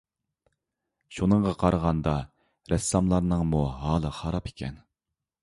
شۇنىڭغا قارىغاندا، رەسساملارنىڭمۇ ھالى خاراب ئىكەن.